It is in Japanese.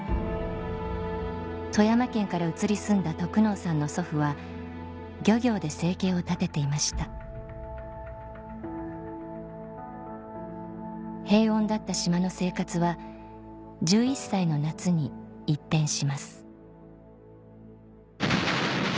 富山県から移り住んだ得能さんの祖父は漁業で生計を立てていました平穏だった島の生活は１１歳の夏に一変します